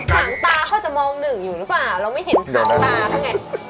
ถังตาเขาจะมองหนึ่งอยู่ป่าว